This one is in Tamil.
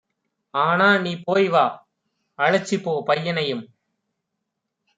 ஆனாநீ போய்வா, அழைச்சிப்போ பையனையும்